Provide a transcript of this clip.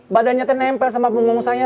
badannya itu nempel sama punggung saya